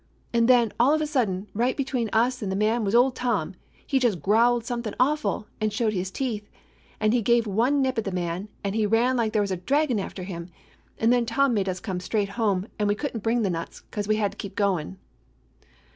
"And then, all of a sudden, right between us and the man was old Tom. He just growled something awful, and showed his 245 DOG HEROES OF MANY LANDS teeth, and he gave one nip at the man, and he ran like there was a dragon after him. And then Tom made us come straight home, and we could n't bring the nuts, 'cause we had to keep going."